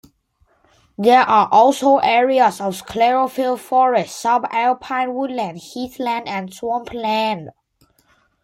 There are also areas of sclerophyll forest, sub-alpine woodland, heathland and swampland.